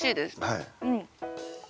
はい。